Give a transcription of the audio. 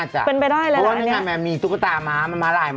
จริงลูกน้องดูสีใสมากเลย